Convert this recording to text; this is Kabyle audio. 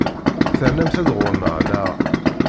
Ternamt-d ɣur-neɣ, naɣ?